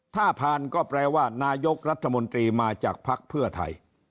ถ้าผ่านก็แปลว่านายกรัฐมนตรีมาจากภักดิ์เพื่อไทย